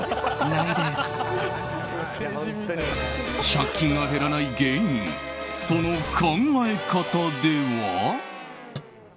借金が減らない原因その考え方では？